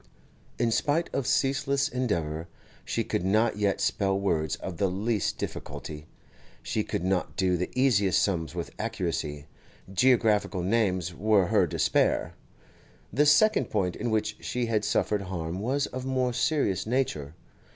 In spite of ceaseless endeavour, she could not yet spell words of the least difficulty; she could not do the easiest sums with accuracy; geographical names were her despair. The second point in which she had suffered harm was of more serious nature.